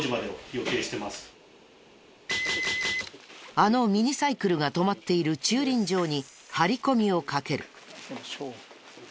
あのミニサイクルが止まっている駐輪場に張り込みをかける。